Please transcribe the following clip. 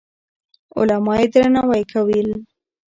علما يې درناوي کول.